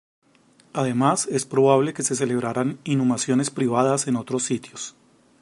Además, es probable que se celebraran inhumaciones privadas en otros sitios.